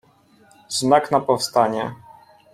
Znak na powstanie.